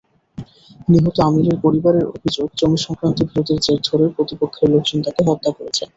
নিহত আমিরের পরিবারের অভিযোগ জমি-সংক্রান্ত বিরোধের জের ধরে প্রতিপক্ষের লোকজন তাঁকে হত্যা করেছে।